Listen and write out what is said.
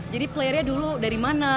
jadi playernya dulu dari mana